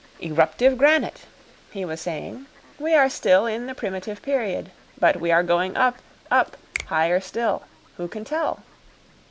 "Eruptive granite," he was saying. "We are still in the primitive period. But we are going up, up, higher still. Who can tell?"